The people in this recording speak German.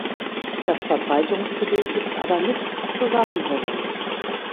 Das Verbreitungsgebiet ist aber nicht zusammenhängend.